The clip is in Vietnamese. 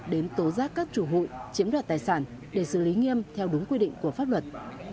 đến tố giác các chủ hụi chiếm đoạt tài sản để xử lý nghiêm theo đúng quy định của pháp luật